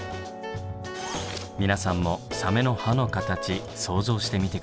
皆さんもサメの歯の形想像してみて下さい。